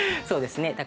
そうですね。